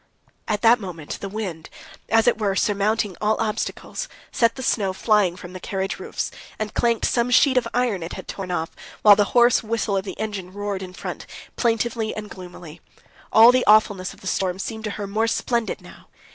At that moment the wind, as it were, surmounting all obstacles, sent the snow flying from the carriage roofs, and clanked some sheet of iron it had torn off, while the hoarse whistle of the engine roared in front, plaintively and gloomily. All the awfulness of the storm seemed to her more splendid now.